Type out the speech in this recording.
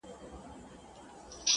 گلي ـ